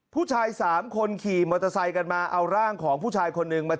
ผู้ชายสามคนขี่มอเตอร์ไซค์กันมาเอาร่างของผู้ชายคนหนึ่งมา